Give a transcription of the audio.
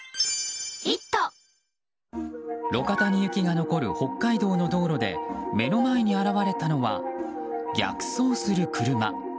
路肩に雪が残る北海道の道路で目の前に現れたのは逆走する車。